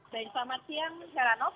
selamat siang serhanov